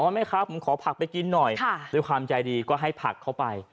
แม่ครับผมขอผักไปกินหน่อยด้วยความใจดีก็ให้ผักเข้าไป